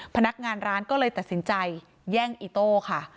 พนักงานร้านก็เลยตัดสินใจแย่งอิโต้ค่ะ